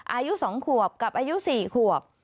อายุ๒ขวบกับอายุ๔ขวบ